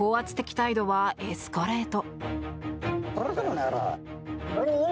態度はエスカレート。